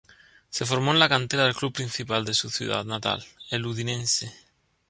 Se formó en la cantera del club principal de su ciudad natal, el Udinese.